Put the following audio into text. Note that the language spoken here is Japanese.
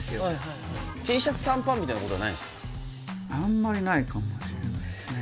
あんまりないかもしれないですね